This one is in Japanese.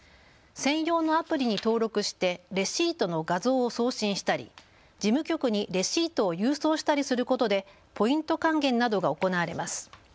専用のアプリに登録してレシートの画像を送信したり事務局にレシートを郵送したりすることでポイント還元などが行われます。